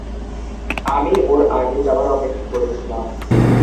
আমি ওর আগে যাওয়ার অপেক্ষা করছিলাম।